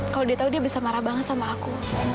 kalau dia tahu dia bisa marah banget sama aku